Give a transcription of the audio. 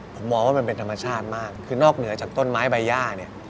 ผมมองว่ามันเป็นธรรมชาติมากคือนอกเหนือจากต้นไม้ใบย่าเนี่ย